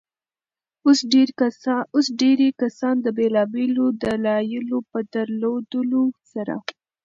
اوس ډېرى کسان د بېلابيلو دلايلو په درلودلو سره.